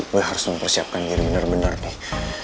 gue harus mempersiapkan diri bener bener nih